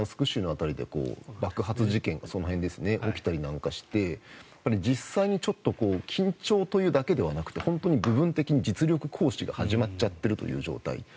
州の辺りで爆発事件が起きたりして実際にちょっと緊張というだけではなくて本当に部分的に実力行使が始まっちゃってるという状態。